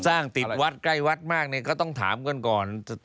ติดวัดใกล้วัดมากเนี่ยก็ต้องถามกันก่อน